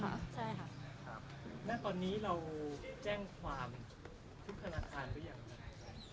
แล้วตอนนี้เราแจ้งความทุกธนาคารด้วยอย่างไร